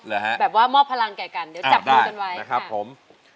แบบว่ามอบพลังแก่กันเดี๋ยวจับดูกันไว้